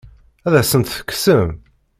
Ad asent-tt-tekksemt?